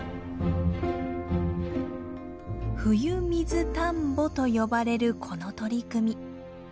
「ふゆみずたんぼ」と呼ばれるこの取り組み。